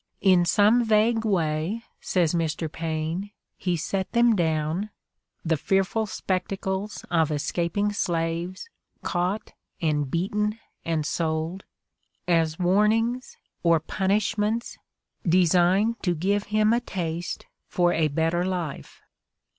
"In some vague way," says Mr. Paine, "he set them down" — the fearful spectacles of escaping slaves, caught and beaten and sold — "as warnings, or punish ments, designed to give him a taste for a better life."